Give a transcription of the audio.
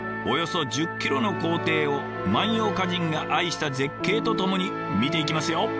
およそ１０キロの行程を万葉歌人が愛した絶景とともに見ていきますよ。